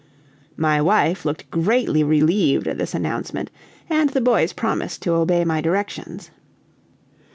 My wife looked greatly relieved at this announcement, and the boys promised to obey my directions.